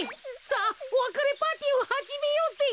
さあおわかれパーティーをはじめようぜ。